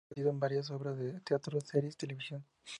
Ha aparecido en varias obras de teatro y series de televisión.